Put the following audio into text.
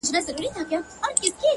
باد را الوتی” له شبِ ستان دی”